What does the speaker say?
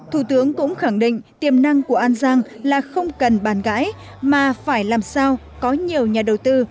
thủ tướng cũng khẳng định tiềm năng của an giang là không cần bàn gãi mà phải làm sao có nhiều nhà đầu tư